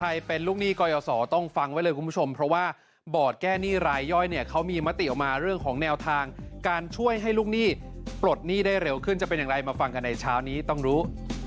เป็นลูกหนี้กรยาศรต้องฟังไว้เลยคุณผู้ชมเพราะว่าบอร์ดแก้หนี้รายย่อยเนี่ยเขามีมติออกมาเรื่องของแนวทางการช่วยให้ลูกหนี้ปลดหนี้ได้เร็วขึ้นจะเป็นอย่างไรมาฟังกันในเช้านี้ต้องรู้